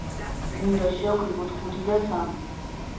უნდა შევკრიბო ხუთი და სამი.